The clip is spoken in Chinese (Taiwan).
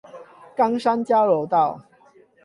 岡山交流道